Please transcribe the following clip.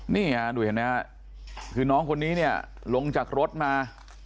นี่ฮะดูเห็นไหมฮะคือน้องคนนี้เนี่ยลงจากรถมา